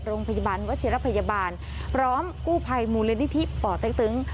โรงพยาบาลวัชิรพยาบาลพร้อมกู้ภัยมูลนิธิป่อเต็กตึง